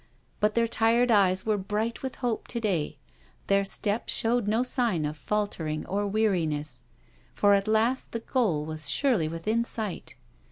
But their tired eyes were bright with hope to day, their step showed no sign of faltering or weariness, for at last the goal was surely within sight.